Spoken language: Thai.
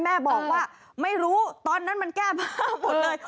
แม่บอกว่าไม่รู้ตอนนั้นมันแก้ผ้าหมดเลย